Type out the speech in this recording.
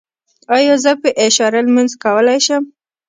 ایا زه په اشاره لمونځ کولی شم؟